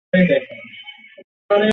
আমার দুর্ভাগ্য, তুমি প্রকাশনা ব্যবসায় নেই।